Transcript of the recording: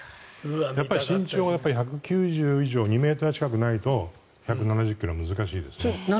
身長が１９０以上２ｍ近くないと１７０ｋｍは難しいですね。